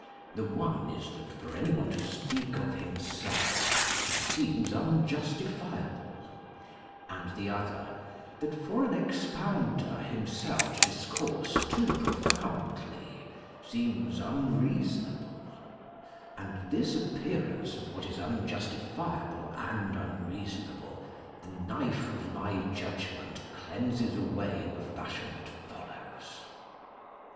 The one is, that for a, b. anyone to speak of himself seems \_i 0~\ un justifiable, and the other, that for an expounder himself to discourse too profoundly seems un reasonable ; and this appearance of what is unjustifiable and unreasonable the knife of my judgment cleanses away in the fashion that follows.